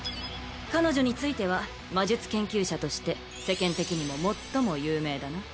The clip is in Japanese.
彼女については魔術研究者として世間的にも最も有名だな